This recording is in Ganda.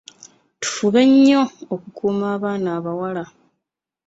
Tufube nnyo okukuuuma abaana abawala.